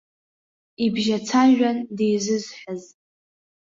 Ибжьацәажәан дизызҳәаз.